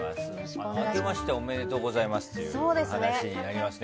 あけましておめでとうございますという話になりますね。